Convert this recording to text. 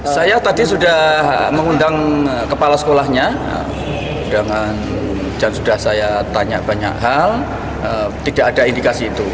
saya tadi sudah mengundang kepala sekolahnya dan sudah saya tanya banyak hal tidak ada indikasi itu